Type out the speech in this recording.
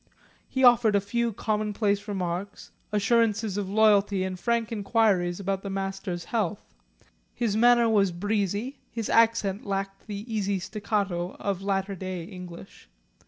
He offered a few commonplace remarks, assurances of loyalty and frank inquiries about the Master's health. His manner was breezy, his accent lacked the easy staccato of latter day English.